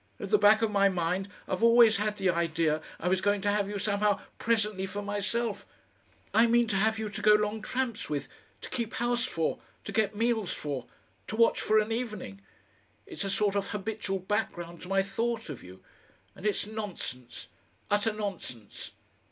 At the back of my mind I've always had the idea I was going to have you somehow presently for myself I mean to have you to go long tramps with, to keep house for, to get meals for, to watch for of an evening. It's a sort of habitual background to my thought of you. And it's nonsense utter nonsense!"